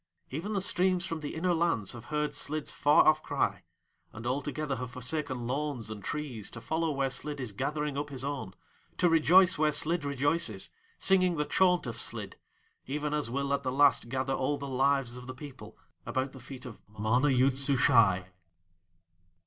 Even the streams from the inner lands have heard Slid's far off cry, and all together have forsaken lawns and trees to follow where Slid is gathering up his own, to rejoice where Slid rejoices, singing the chaunt of Slid, even as will at the Last gather all the Lives of the People about the feet of MANA YOOD SUSHAI.